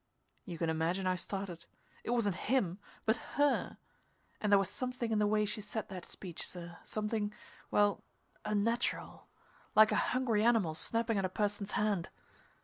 _" You can imagine I started. It wasn't him, but her. And there was something in the way she said that speech, sir something well unnatural. Like a hungry animal snapping at a person's hand.